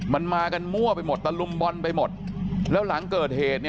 มันมากันมั่วไปหมดตะลุมบอลไปหมดแล้วหลังเกิดเหตุเนี่ย